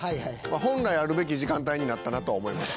本来あるべき時間帯になったなとは思いました。